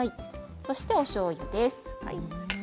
そして、おしょうゆです。